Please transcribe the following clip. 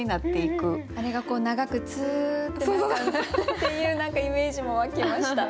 あれが長くツーッてなるっていう何かイメージも湧きました。